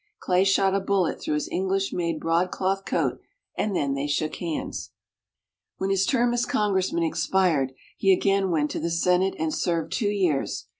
Clay shot a bullet through his English made broadcloth coat, and then they shook hands. When his term as Congressman expired, he again went to the Senate, and served two years.